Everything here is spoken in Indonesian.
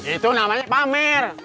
itu namanya pamer